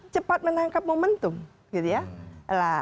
cepat menangkap momentum gitu ya